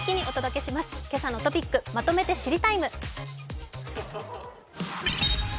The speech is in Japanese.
「けさのトピックまとめて知りＴＩＭＥ，」。